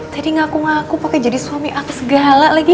tadi ngaku ngaku pakai jadi suami aku segala lagi